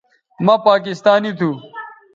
مہ پاکستانی تھو